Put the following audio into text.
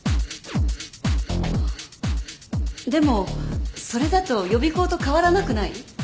でもそれだと予備校と変わらなくない？